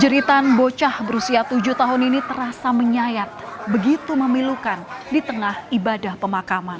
jeritan bocah berusia tujuh tahun ini terasa menyayat begitu memilukan di tengah ibadah pemakaman